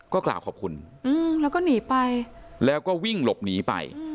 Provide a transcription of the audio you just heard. ก็กล่าวขอบคุณแล้วก็หนีไปแล้วก็วิ่งหลบหนีไป